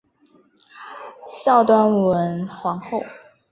孝端文皇后。